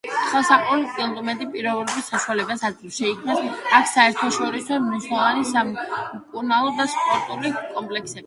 ხელსაყრელი კლიმატური პირობები საშუალებას აძლევს შეიქმნას აქ საერთაშორისო მნიშვნელობის სამკურნალო და სპორტული კომპლექსები.